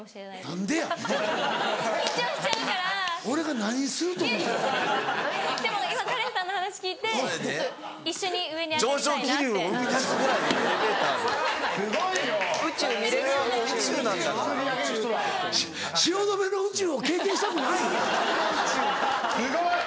・すごい！